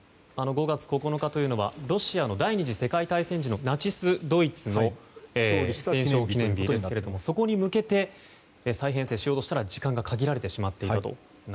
５月９日というのはロシアの第２次世界大戦時のナチスドイツの戦勝記念日ですがそこに向けて再編成しようとしたら時間が限られていたと。